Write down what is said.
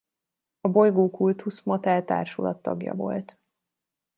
A Bolygó Kultusz Motel társulat tagja volt.